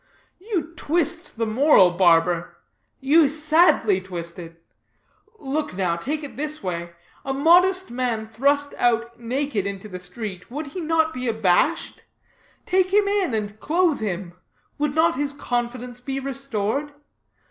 "You twist the moral, barber; you sadly twist it. Look, now; take it this way: A modest man thrust out naked into the street, would he not be abashed? Take him in and clothe him; would not his confidence be restored?